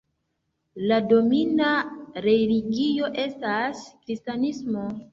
La domina religio estas kristanismo.